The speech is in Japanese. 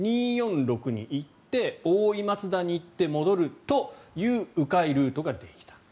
２４６に行って大井松田に行って戻るという迂回ルートができた。